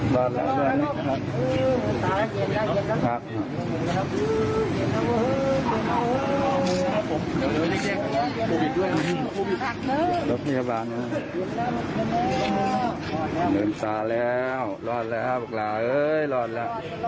รอดแล้วรอดแล้วครับลาเห้ยรอดละ